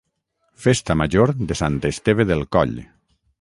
Festa Major de Sant Esteve del Coll